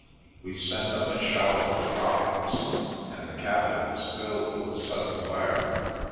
We sent up a shower of rockets, and the cabin wai filled with a sudden glare.